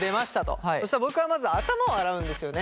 そしたら僕はまず頭を洗うんですよね。